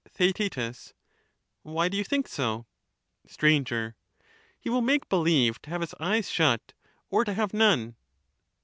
TheaeU Why do you think so ?' Str. He will make believe to have his eyes shut, or to have none.